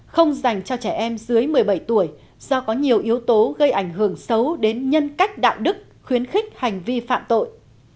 không dành cho trẻ em dưới một mươi bảy tuổi do có nhiều yếu tố gây ảnh hưởng xấu đến nhân cách đạo đức khuyến khích hành vi phạm tội